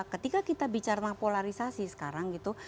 ketika kita bicara polarisasi sekarang gitu